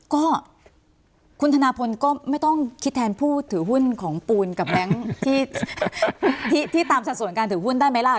ก็คุณธนาพลก็ไม่ต้องคิดแทนผู้ถือหุ้นของปูนกับแบงค์ที่ตามสัดส่วนการถือหุ้นได้ไหมล่ะ